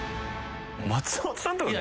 松本さんとか。